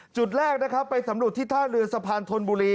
จุดแรกนะครับไปสำรวจที่ท่าเรือสะพานธนบุรี